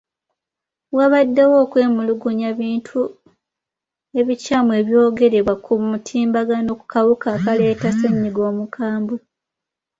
Wabaddewo okwemulugunya bintu ebikyamu ebyogerebwa ku mutimbagano ku kawuka akaleeta ssennyiga omukambwe.